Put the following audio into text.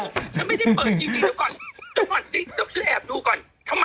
รูปไหน